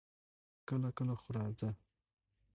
کله کله خو راځه!